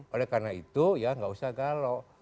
oleh karena itu ya nggak usah galau